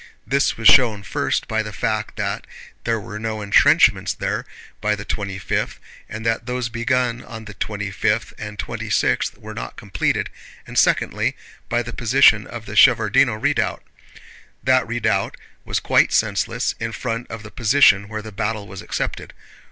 This was shown first by the fact that there were no entrenchments there by the twenty fifth and that those begun on the twenty fifth and twenty sixth were not completed, and secondly, by the position of the Shevárdino Redoubt. That redoubt was quite senseless in front of the position where the battle was accepted.